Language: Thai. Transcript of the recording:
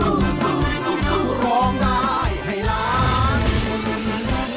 รายการต่อไปนี้เป็นรายการทั่วไปสามารถรับชมได้ทุกวัย